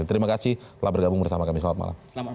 terima kasih telah bergabung bersama kami selamat malam